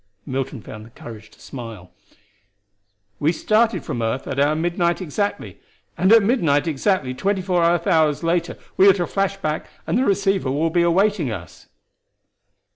Milton found the courage to smile. "We started from earth at our midnight exactly, and at midnight exactly twenty four earth hours later, we are to flash back and the receiver will be awaiting us."